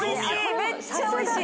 めっちゃおいしい！